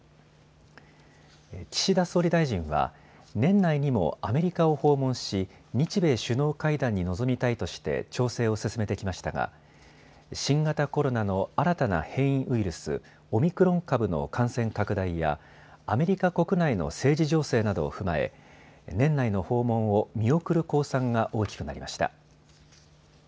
岸田総理大臣は年内にもアメリカを訪問し、日米首脳会談に臨みたいとして調整を進めてきましたが新型コロナの新たな変異ウイルス、オミクロン株の感染拡大やアメリカ国内の政治情勢などを踏まえ年内の訪問を見送る公算が大きくなりました。